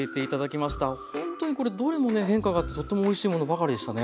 ほんとにこれどれもね変化があってとてもおいしいものばかりでしたね。